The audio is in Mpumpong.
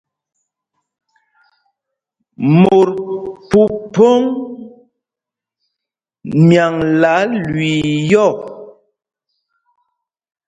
Mot phúphōŋ myaŋla lüii yɔ́.